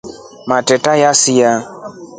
Matreta yasia.